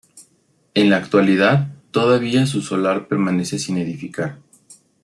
En la actualidad, todavía su solar permanece sin edificar.